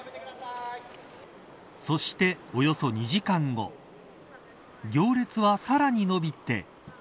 そして、およそ２時間後行列は、さらに延びて。